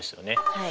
はい。